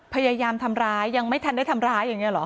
พยายามทำร้ายยังไม่ทันได้ทำร้ายอย่างนี้หรอ